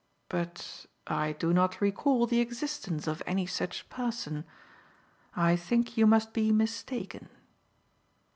But I do not recall the existence of any such person. I think you must be mistaken."